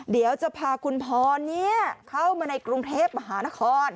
เดี๋ยวจะพาคุณพรเข้ามาในกรุงเทพมหานคร